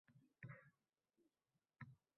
– Buxoro viloyati Vobkent tumanidagi qishloqning nomi.